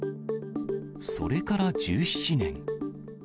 それから１７年。